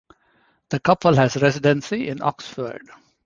The couple has residency in Oxford.